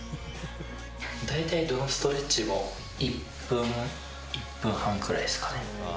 大体、どのストレッチも１分、１分半くらいですかね。